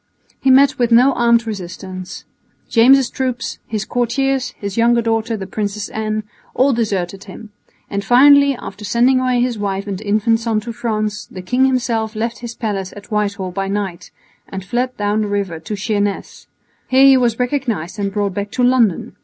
He met with no armed resistance. James' troops, his courtiers, his younger daughter the Princess Anne, all deserted him; and finally, after sending away his wife and infant son to France, the king himself left his palace at Whitehall by night and fled down the river to Sheerness. Here he was recognised and brought back to London.